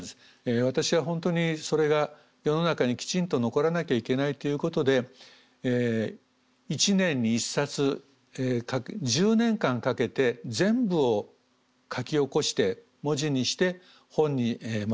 私は本当にそれが世の中にきちんと残らなきゃいけないということで１年に１冊１０年間かけて全部を書き起こして文字にして本にまとめました。